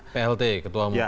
plt ketua umum